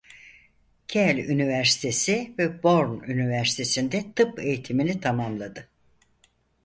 Kiel Üniversitesi ve Bonn Üniversitesi'nde tıp eğitimini tamamladı.